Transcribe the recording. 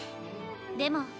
でも。